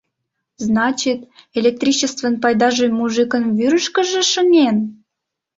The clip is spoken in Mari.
— Значит, электричествын пайдаже мужикын вӱрышкыжӧ шыҥен!